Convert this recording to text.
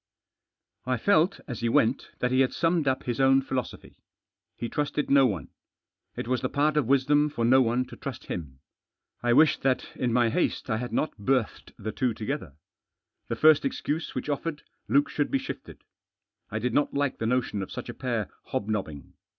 I felt, as he went, that he had summed up his own philosophy. He trusted no one. It was the part of wisdom for no one to trust him. I wished that, in my haste, I hadn't berthed the two together. The first excuse which offered Luke should be shifted. I did not like the notion of such a pair hobnobbing.